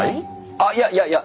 あっいやいやいや！